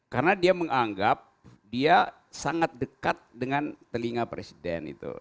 karena dia menganggap dia sangat dekat dengan telinga presiden itu